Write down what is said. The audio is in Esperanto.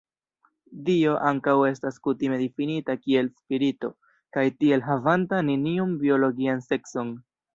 Dio ankaŭ estas kutime difinita kiel spirito, kaj tiel havanta neniun biologian sekson.